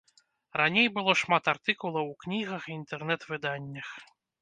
Раней было шмат артыкулаў у кнігах і інтэрнэт-выданнях.